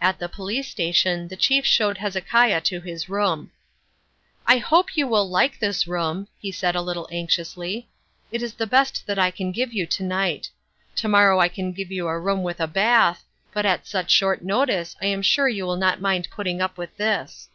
At the police station the chief showed Hezekiah to his room. "I hope you will like this room," he said a little anxiously. "It is the best that I can give you to night. To morrow I can give you a room with a bath, but at such short notice I am sure you will not mind putting up with this."